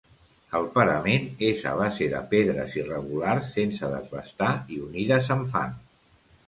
El parament és a base de pedres irregulars sense desbastar i unides amb fang.